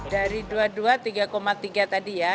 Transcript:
dari dua dua rp tiga tiga triliun tadi ya